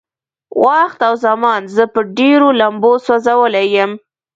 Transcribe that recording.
وخت او زمان زه په ډېرو لمبو سوځولی يم.